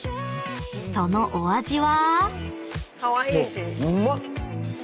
［そのお味は？］